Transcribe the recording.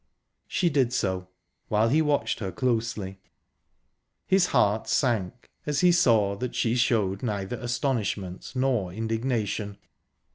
She did so, while he watched her closely; his heart sank, as he saw that she showed neither astonishment nor indignation.